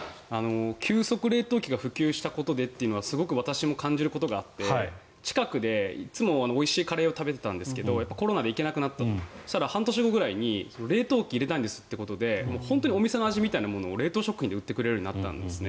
急速冷凍機が普及したことでというのはすごく私も感じることがあって近くで、いつもおいしいカレーを食べていたのでコロナで行けなくなったそしたら半年後くらいに冷凍機、入れたんですってなって本当にお店の味みたいなものを冷凍食品で売ってくれるようになったんですね。